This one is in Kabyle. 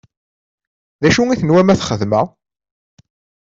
D acu i tenwam ad t-xedmeɣ?